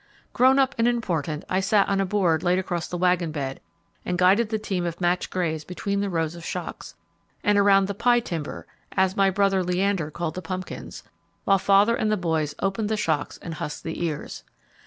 Grown up and important, I sat on a board laid across the wagon bed, and guided the team of matched greys between the rows of shocks, and around the 'pie timber' as my brother Leander called the pumpkins while father and the boys opened the shocks and husked the ears.